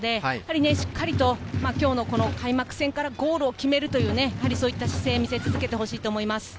しっかり今日のこの開幕戦からゴールを決めるという姿勢を見せ続けてほしいと思います。